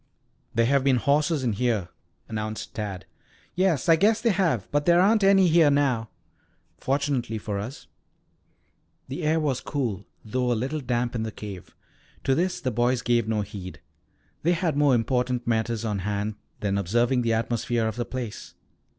"There have been horses in here," announced Tad. "Yes, I guess there have, but there aren't any here now." "Fortunately for us." The air was cool, though a little damp in the cave. To this the boys gave no heed. They had more important matters on hand than observing the atmosphere of the place.